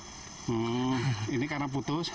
hmm ini karena putus